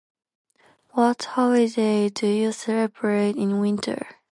What holiday do you celebrate in winter?